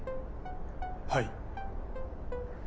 はい。